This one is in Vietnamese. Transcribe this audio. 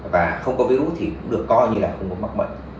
và không có virus thì cũng được coi như là không có mắc mận